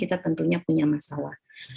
tentunya punya masalah